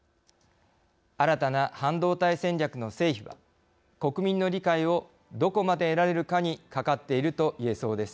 新たな半導体戦略の成否は国民の理解をどこまで得られるかにかかっているといえそうです。